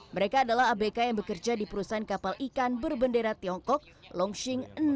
mereka adalah abk yang bekerja di perusahaan kapal ikan berbendera tiongkok longsing enam ratus dua puluh sembilan